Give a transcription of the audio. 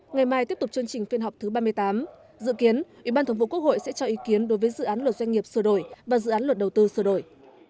ngày mai tiếp tục chương trình phiên họp thứ ba mươi tám dự kiến ủy ban thống vụ quốc hội sẽ cho ý kiến đối với dự án luật doanh nghiệp sửa đổi và dự án luật đầu tư sửa đổi